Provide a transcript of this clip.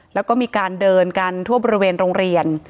แล้วก็มีการเดินกันทั่วบริเวณโรงเรียน